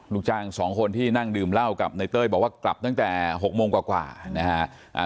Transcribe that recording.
ลูกจ้างสองคนที่นั่งดื่มเหล้ากับในเต้ยบอกว่ากลับตั้งแต่๖โมงกว่านะฮะ